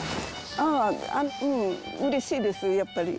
ああ、うん、うれしいです、やっぱり。